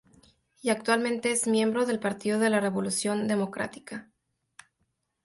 Y actualmente es miembro del Partido de la Revolución Democrática.